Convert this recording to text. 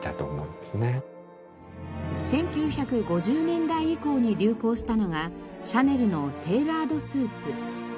１９５０年代以降に流行したのがシャネルのテーラードスーツ。